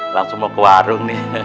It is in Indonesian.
langsung mau ke warung nih